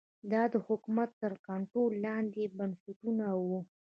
دا د حکومت تر کنټرول لاندې بنسټونه وو